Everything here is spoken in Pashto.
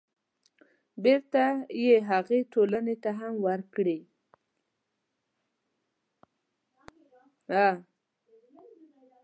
بېرته يې هغې ټولنې ته هم ورکړي.